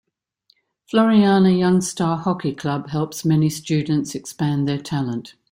Floriana Youngstar Hockey Club helps many students expand their talent.